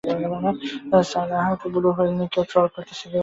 সারাহাহ আর blue whale নিয়ে কেউ ট্রল করেছেন, কেউবা স্ট্যাটাস দিচ্ছেন।